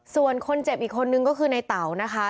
ส่วนคนเจ็บอีกคนนึงก็คือในเต๋านะคะ